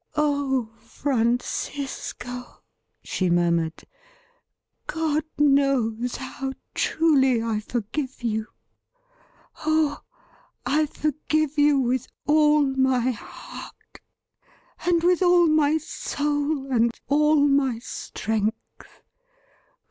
' Oh, Francisco ? she murmured, ' God knows how truly I forgive you ! Oh, I forgive you with all my heart, and with all my soul and all my strength.